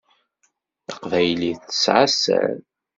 Taqbaylit tesεa sser.